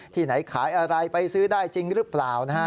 ที่ไหนขายอะไรไปซื้อได้จริงหรือเปล่านะฮะ